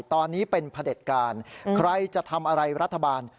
ตอนนี้เป็นพระเด็จการใครจะทำอะไรรัฐบาล